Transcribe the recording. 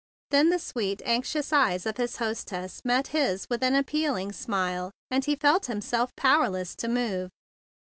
Then the sweet, anxious eyes of his hostess met his with an appealing smile and he felt himself powerless to move.